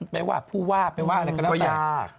ไม่ว่าผู้ว่าไม่ว่าอะไรก็แล้วแต่